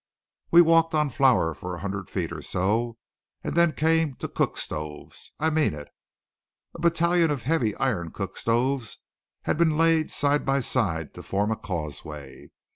We walked on flour for a hundred feet or so, and then came to cook stoves. I mean it. A battalion of heavy iron cook stoves had been laid side by side to form a causeway.